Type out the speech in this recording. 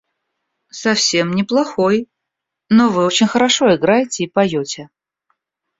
– Совсем не плохой, но вы очень хорошо играете и поете.